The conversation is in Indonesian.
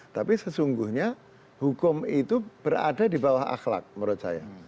tapi sesungguhnya hukum itu berada di bawah akhlak menurut saya